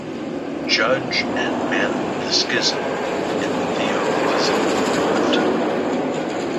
Judge and mend the schism in the Theosophical Movement.